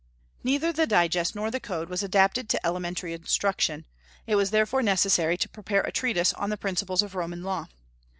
Neither the Digest nor the Code was adapted to elementary instruction; it was therefore necessary to prepare a treatise on the principles of Roman law.